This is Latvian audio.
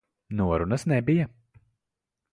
Norunas nebija.